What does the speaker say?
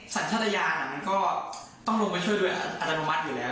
สัญชาติยานก็ต้องลงไปช่วยโดยอัตโนมัติอยู่แล้ว